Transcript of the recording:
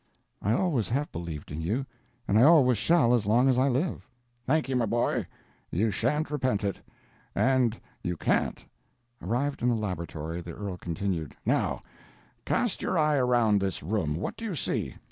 "I always have believed in you; and I always shall as long as I live." "Thank you, my boy. You shan't repent it. And you can't." Arrived in the "laboratory," the earl continued, "Now, cast your eye around this room—what do you see?